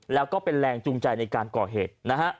แล้วก็เป็นแรงจูงใจในการก่อเหตุนะฮะ